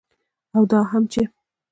او دا هم چې